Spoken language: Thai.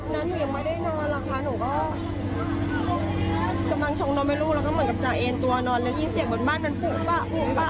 นั้นหนูยังไม่ได้นอนแล้วค่ะหนูก็กำลังชงน้ำให้ลูกแล้วก็เหมือนกับจ่าเอ็นตัวนอนแล้วที่เสียบนบ้านมันฝุ่งปะฝุ่งปะ